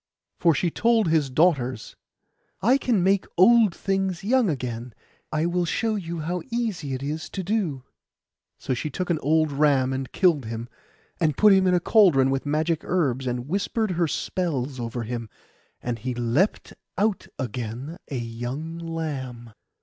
For she told his daughters, 'I can make old things young again; I will show you how easy it is to do.' So she took an old ram and killed him, and put him in a cauldron with magic herbs; and whispered her spells over him, and he leapt out again a young lamb.